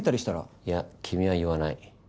いや君は言わない。